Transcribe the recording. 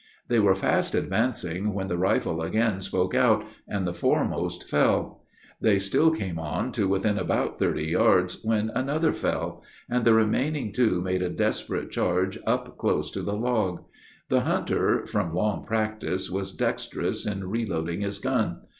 They were fast advancing, when the rifle again spoke out, and the foremost fell; they still came on to within about thirty yards, when another fell; and the remaining two made a desperate charge up close to the log. The hunter, from long practice, was dexterous in reloading his gun.